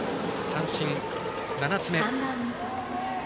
三振７つ目。